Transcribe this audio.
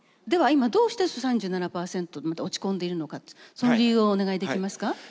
では今どうして３７％まで落ち込んでいるのかその理由をお願いできますか？